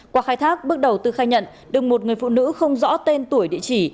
qua khai thác bước đầu tư khai nhận đừng một người phụ nữ không rõ tên tuổi địa chỉ